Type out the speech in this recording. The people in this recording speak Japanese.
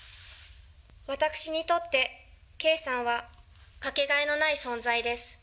私にとって圭さんは掛けがえのない存在です。